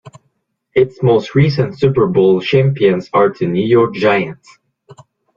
Its most recent Super Bowl champions are the New York Giants.